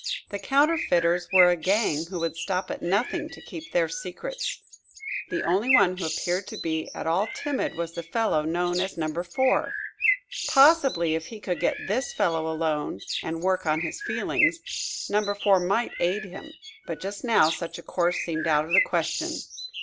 The counterfeiters were a gang who would stop at nothing to keep their secrets. The only one who appeared to be at all timid was the fellow known as Number Four. Possibly if he could get this fellow alone and work on his feelings Number Four might aid him. But just now such a course seemed out of the question.